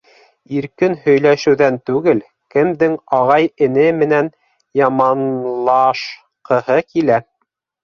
— Иркен һөйләшеүҙән түгел, кемдең ағай-эне менән яманлашҡыһы килә.